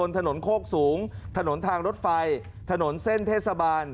ถนนทางรถไฟถนนเส้นเทศบาล